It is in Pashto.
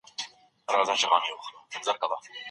له متاهل خاطب څخه د نوي نکاح موخي وپوښتئ.